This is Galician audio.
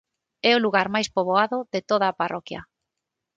É o lugar máis poboado de toda a parroquia.